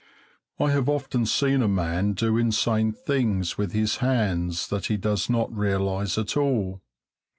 I have often seen a man do insane things with his hands that he does not realise at all.